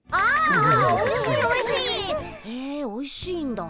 へえおいしいんだ。